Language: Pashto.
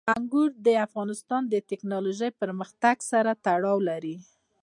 انګور د افغانستان د تکنالوژۍ پرمختګ سره تړاو لري.